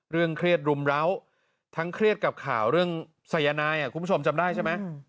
เครียดรุมร้าวทั้งเครียดกับข่าวเรื่องสายนายคุณผู้ชมจำได้ใช่ไหม